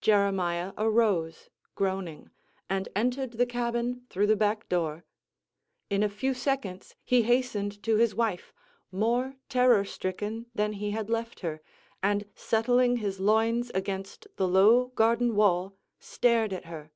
Jeremiah arose, groaning, and entered the cabin through the back door. In a few seconds he hastened to his wife, more terror stricken than he had left her, and settling his loins against the low garden wall, stared at her.